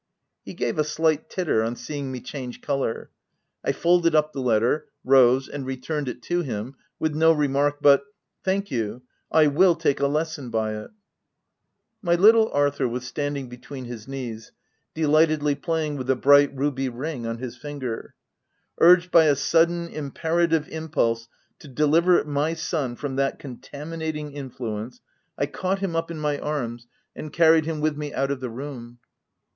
He gave a slight titter on seeing me change colour. I folded up the letter, rose, and returned it to him, with no remark but, —" Thank you — I will take a lesson by it !" My little Arthur was standing between his knees, delightedly playing with the bright, ruby ring on his finger. Urged by a sudden, imperative impulse to deliver my son from that contaminating influence, I caught him up in OP WILDFELL HALL. 339 my arms and carried him with me out of the room.